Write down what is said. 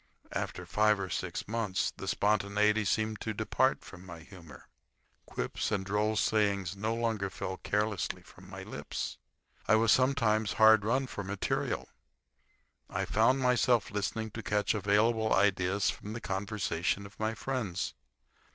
After five or six months the spontaniety seemed to depart from my humor. Quips and droll sayings no longer fell carelessly from my lips. I was sometimes hard run for material. I found myself listening to catch available ideas from the conversation of my friends.